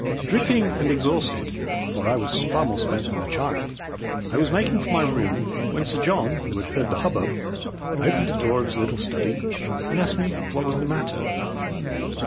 Dripping and exhausted for I was far more spent than the child I was making for my room when Sir John, who had heard the hubbub, opened the door of his little study and asked me what was the matter.